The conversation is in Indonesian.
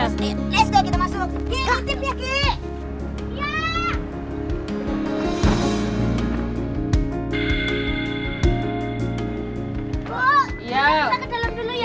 udah semuanya beres